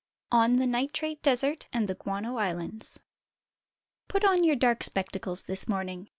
ON THE NITRATE DESERT AND THE GUANO ISLANDS. PUT on your dark spectacles this morning.